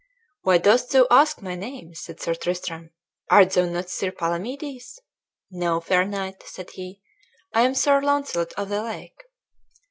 "Why dost thou ask my name?" said Sir Tristram; "art thou not Sir Palamedes?" "No, fair knight," said he, "I am Sir Launcelot of the Lake."